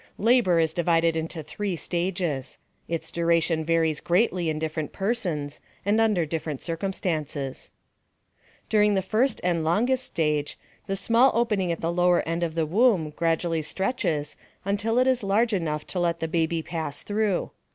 Labor is divided into three stages. Its duration varies greatly in different persons and under different circumstances. During the first and longest stage, the small opening at the lower end of the womb gradually stretches until it is large enough to let the baby pass through.